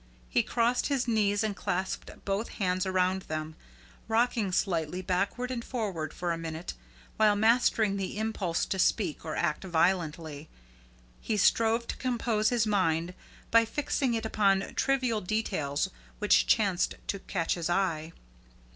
He crossed his knees and clasped both hands around them, rocking slightly backward and forward for a minute while mastering the impulse to speak or act violently. He strove to compose his mind by fixing it upon trivial details which chanced to catch his eye.